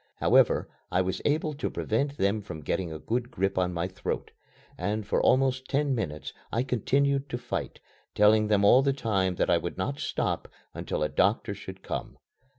However, I was able to prevent them from getting a good grip on my throat, and for almost ten minutes I continued to fight, telling them all the time that I would not stop until a doctor should come.